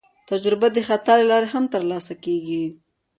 تجربه د خطا له لارې هم ترلاسه کېږي.